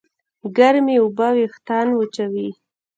ګرمې اوبه وېښتيان وچوي.